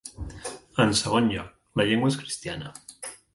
En segon lloc, la llengua és cristiana.